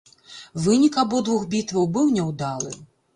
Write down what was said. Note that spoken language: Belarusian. Вынік абодвух бітваў быў няўдалы.